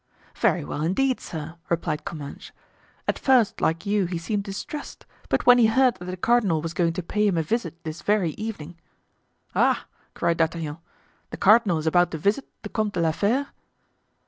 "Very well, indeed, sir," replied Comminges; "at first, like you, he seemed distressed; but when he heard that the cardinal was going to pay him a visit this very evening——" "Ah!" cried D'Artagnan, "the cardinal is about to visit the Comte de la Fere?"